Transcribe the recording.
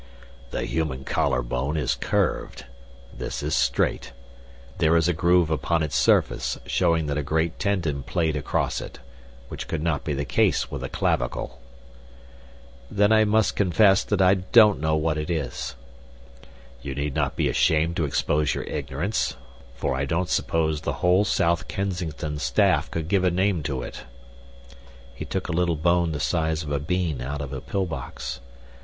"The human collar bone is curved. This is straight. There is a groove upon its surface showing that a great tendon played across it, which could not be the case with a clavicle." "Then I must confess that I don't know what it is." "You need not be ashamed to expose your ignorance, for I don't suppose the whole South Kensington staff could give a name to it." He took a little bone the size of a bean out of a pill box.